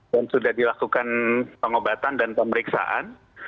dan sudah dilakukan pengobatan dan pemeriksaan